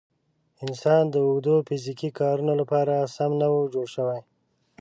انسان د اوږدو فیزیکي کارونو لپاره سم نه و جوړ شوی.